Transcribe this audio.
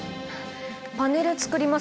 パネル作りますよね？